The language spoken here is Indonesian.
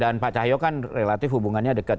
dan pak cahyo kan relatif hubungannya dekat